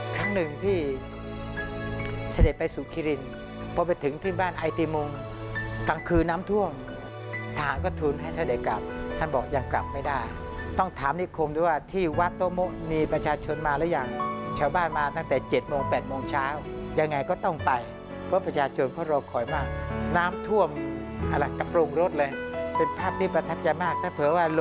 ครั้งหนึ่งที่เสด็จไปสู่คิรินพอไปถึงที่บ้านไอติมงกลางคืนน้ำท่วมทหารก็ทุนให้เสด็จกลับท่านบอกยังกลับไม่ได้ต้องถามนิคมด้วยว่าที่วัดโตโมะมีประชาชนมาหรือยังชาวบ้านมาตั้งแต่๗โมง๘โมงเช้ายังไงก็ต้องไปเพราะประชาชนเขารอคอยมากน้ำท่วมอะไรกระโปรงรถเลยเป็นภาพที่ประทับใจมากถ้าเผ